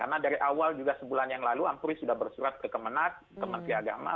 karena dari awal juga sebulan yang lalu ampuri sudah bersyarat ke kemenat ke menteri agama